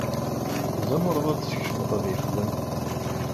Tzemreḍ ad t-teskecmeḍ ad yexdem.